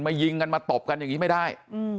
ยิงกันมาตบกันอย่างนี้ไม่ได้